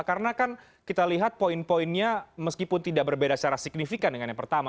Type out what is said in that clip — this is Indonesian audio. karena kan kita lihat poin poinnya meskipun tidak berbeda secara signifikan dengan yang pertama